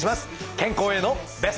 健康へのベスト。